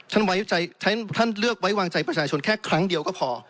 ท่านเลือกไว้วางใจประชาชนแค่ครั้งเดียวก็พอ